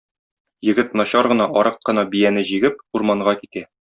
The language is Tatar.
Егет, начар гына, арык кына бияне җигеп, урманга китә.